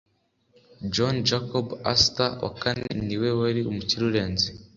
John Jacob Astor wa kane niwe wari umukire urenze